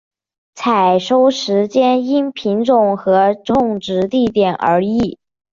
采收时间因品种和种植地点而异。